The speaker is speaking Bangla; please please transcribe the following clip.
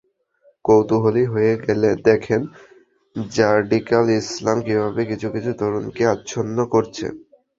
কৌতূহলী হয়ে দেখেন, র্যাডিক্যাল ইসলাম কীভাবে কিছু কিছু তরুণকে আচ্ছন্ন করছে।